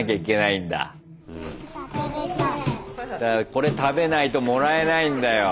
これ食べないともらえないんだよ。